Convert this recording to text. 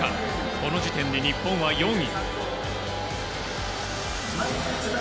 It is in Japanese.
この時点で日本は４位。